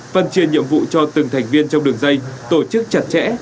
phân truyền nhiệm vụ cho từng thành viên trong đường dây tổ chức chặt chẽ